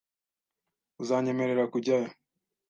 Uzanyemerera kujyayo?